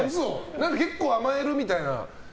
結構甘えるみたいな？